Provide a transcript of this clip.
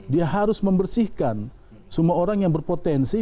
dia harus membersihkan semua orang yang berpotensi